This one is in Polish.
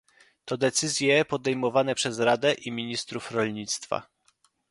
To decyzje podejmowane przez Radę i ministrów rolnictwa